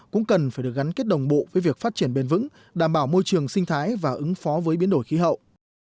cũng cần phải được gắn kết đồng bộ với việc phát triển bền vững đảm bảo môi trường sinh thái và ứng phó với biến đổi khí hậu